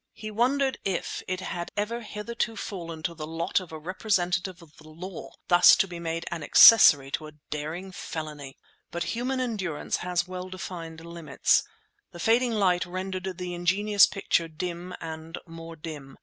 He wondered if it had ever hitherto fallen to the lot of a representative of the law thus to be made an accessory to a daring felony! But human endurance has well defined limits. The fading light rendered the ingenious picture dim and more dim.